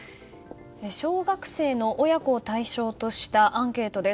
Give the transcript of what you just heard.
小学生の親子を対象としたアンケートです。